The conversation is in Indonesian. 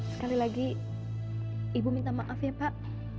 sekali lagi ibu minta maaf ya pak